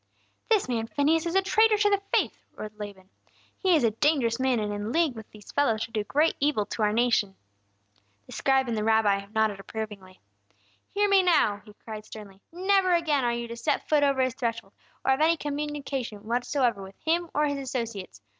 "This man Phineas is a traitor to the faith!" roared Laban. "He is a dangerous man, and in league with these fellows to do great evil to our nation." The scribe and the rabbi nodded approvingly. "Hear me, now!" he cried, sternly. "Never again are you to set foot over his threshold, or have any communication whatsoever with him or his associates.